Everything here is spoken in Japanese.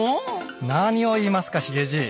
何を言いますかヒゲじい。